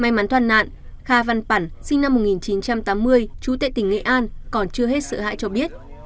may mắn toàn nạn kha văn phản sinh năm một nghìn chín trăm tám mươi chú tây tỉnh nghệ an còn chưa hết sợ hãi cho biết